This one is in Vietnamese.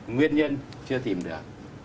nguyên nhân chưa tìm được